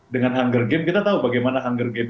dengan hunger games kita tahu bagaimana hunger games